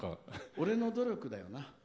俺の努力だよな。